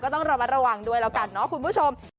ก็ต้องระวังด้วยแล้วกันคุณผู้ชม